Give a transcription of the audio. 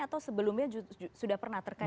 atau sebelumnya sudah pernah terkait dengan ini